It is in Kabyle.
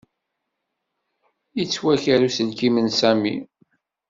Yettwaker uselkim n Sami.